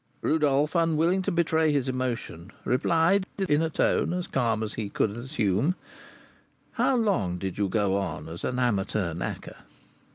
Rodolph, unwilling to betray his emotion, replied in a tone as calm as he could assume, "How long did you go on as an amateur knacker?"